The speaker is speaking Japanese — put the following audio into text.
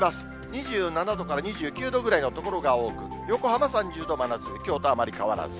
２７度から２９度ぐらいの所が多く、横浜３０度真夏日、きょうとあまり変わらず。